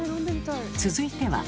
続いては。